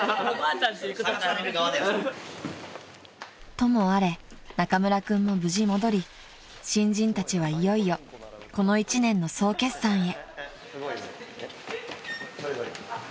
［ともあれ中村君も無事戻り新人たちはいよいよこの一年の総決算へ］